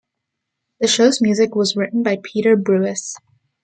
The show's music was written by Peter Brewis.